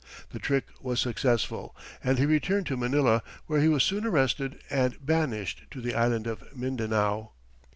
The trick was successful, and he returned to Manila, where he was soon arrested, and banished to the island of Mindanao.